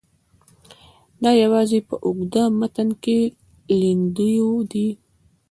دا یوازې په اوږده متن کې لیندیو دي.